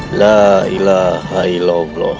mereka tidak bisa ditahan oleh basket di mana mereka bergoyang